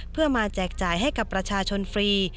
เพื่อมาแจกจ่ายให้กับประชาชนฟรี